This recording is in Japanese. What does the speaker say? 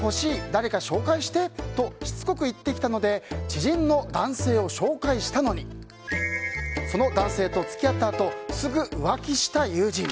誰か紹介して！としつこく言ってきたので知人の男性を紹介したのにその男性と付き合ったあとすぐ浮気した友人。